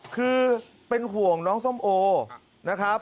คือเป็นห่วงน้องส้มโอนะครับ